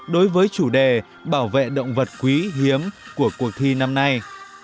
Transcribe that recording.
đối với chủ đề bảo vệ động vật quý hiếm của cuộc thi năm nay